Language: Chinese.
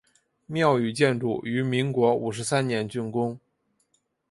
庙宇建筑于民国五十三年竣工。